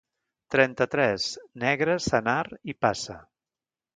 Trenta-tres, negre, senar i passa.